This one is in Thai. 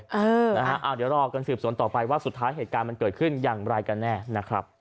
เดี๋ยวรอกันสืบสวนต่อไปว่าสุดท้ายเหตุการณ์มันเกิดขึ้นอย่างไรกันแน่นะครับ